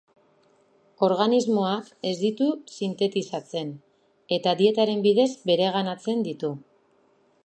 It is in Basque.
Organismoak ez ditu sintetizatzen, eta dietaren bidez bereganatzen ditu.